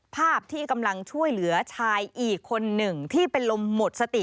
ภาพที่กำลังช่วยเหลือชายอีกคนหนึ่งที่เป็นลมหมดสติ